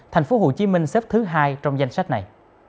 thành phố hồ chí minh xếp thứ hai trong danh sách này